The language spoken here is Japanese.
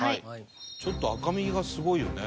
ちょっと赤みがすごいよね